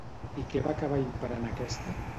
I què va acabar imperant aquesta?